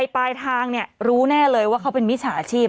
ปลายทางรู้แน่เลยว่าเขาเป็นมิจฉาชีพ